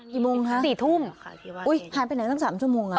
กี่โมงคะอุ๊ยผ่านไปไหนตั้ง๓ชั่วโมงล่ะ